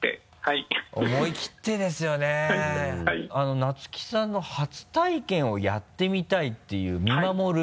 菜月さんの初体験をやってみたいっていう見守る。